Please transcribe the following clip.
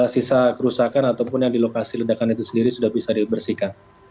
sisa kerusakan ataupun yang di lokasi ledakan itu sendiri sudah bisa dibersihkan